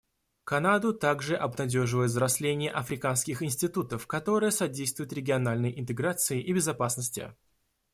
Канаду также обнадеживает взросление африканских институтов, которое содействует региональной интеграции и безопасности.